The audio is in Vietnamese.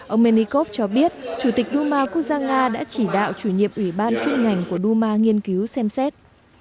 ông menikov cho biết chủ tịch đu ma quốc gia nga đã chỉ đạo chủ nhiệm ủy ban chức ngành của đu ma nghiên cứu xem xét